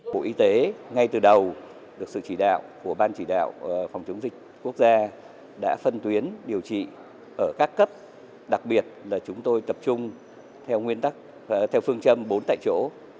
bộ y tế ngay từ đầu được sự chỉ đạo của ban chỉ đạo phòng chống dịch quốc gia đã phân tuyến điều trị ở các cấp đặc biệt là chúng tôi tập trung theo phương châm bốn tại chỗ